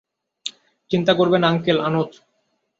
চিন্তা করবে না, আঙ্কেল আনোচ।